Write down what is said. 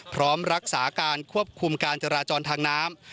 พร้อมรักษาการควบคุมการจราจรทางน้ำ